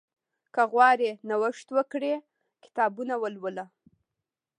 که غواړې نوښت وکړې، کتابونه ولوله.